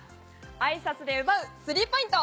あいさつで奪う３ポイント！